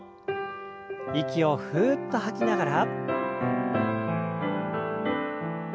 息をふっと吐きながら。